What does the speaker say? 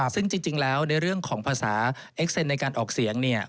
ซึ่งจริงแล้วในเรื่องของภาษาเอ็กเซ็นในการออกเสียง